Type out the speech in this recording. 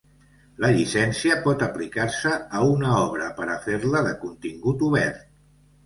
La llicència pot aplicar-se a una obra per a fer-la de contingut obert.